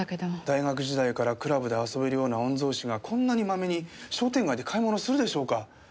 大学時代からクラブで遊べるような御曹司がこんなにマメに商店街で買い物するでしょうか？